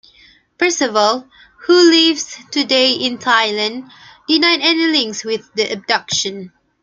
Perseval, who lives today in Thailand, denied any links with the abduction.